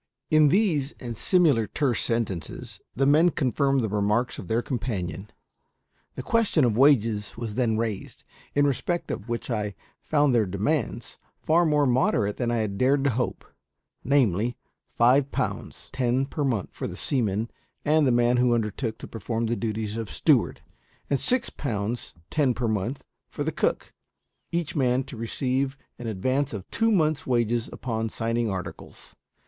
In these and similar terse sentences, the men confirmed the remarks of their companion. The question of wages was then raised, in respect of which I found their demands far more moderate than I had dared to hope; namely, five pounds ten per month for the seamen and the man who undertook to perform the duties of steward, and six pounds ten per month for the cook; each man to receive an Advance of two months' wages upon signing articles.